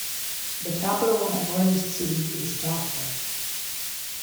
The capital and largest city is Dhaka.